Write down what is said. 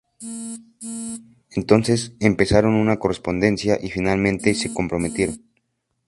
Entonces empezaron una correspondencia y finalmente se comprometieron.